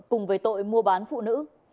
cùng với tội mua bán phụ nữ